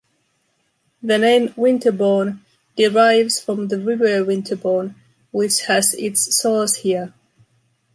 The name "Winterborne" derives from the River Winterborne, which has its source here.